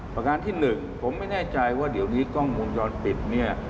ประการที่หนึ่งผมไม่แน่ใจว่าเดี๋ยวนี้กล้องวงจรปิดเนี่ย